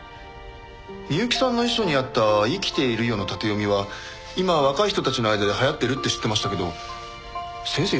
美雪さんの遺書にあった「いきているよ」の縦読みは今若い人たちの間で流行ってるって知ってましたけど先生